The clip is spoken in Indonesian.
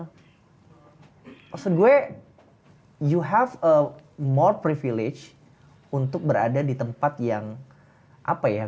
maksud gue yo you have more privilege untuk berada di tempat yang apa ya